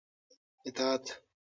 اطاعت